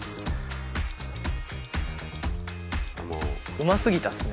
うますぎたっすね。